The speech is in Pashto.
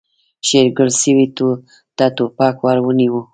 شېرګل سوی ته ټوپک ور ونيو.